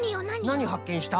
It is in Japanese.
なにはっけんした？